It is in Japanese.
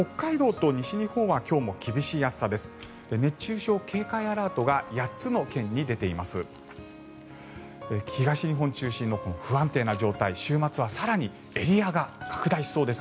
東日本中心のこの不安定な状態週末は更にエリアが拡大しそうです。